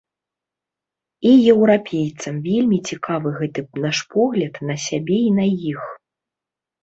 І еўрапейцам вельмі цікавы гэты наш погляд на сябе і на іх.